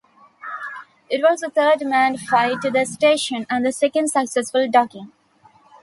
It was the third manned flight to the station, and the second successful docking.